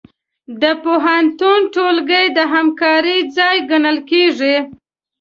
د پوهنتون ټولګي د همکارۍ ځای ګڼل کېږي.